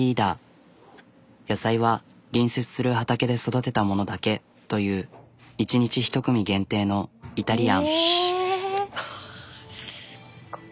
野菜は隣接する畑で育てたものだけという１日１組限定のイタリアン。ははっ。